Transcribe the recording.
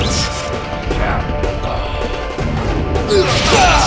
di mana temanmu